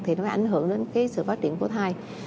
thì nó ảnh hưởng đến cái sự phát triển của thai